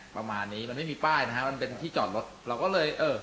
ประมาณนี้มันไม่มีป้ายนะฮะมันเป็นที่จอดรถเราก็เลยเออ